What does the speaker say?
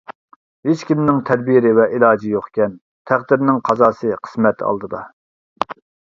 ھېچكىمنىڭ تەدبىر ۋە ئىلاجى يوقكەن، تەقدىرنىڭ قازاسى-قىسمەت ئالدىدا.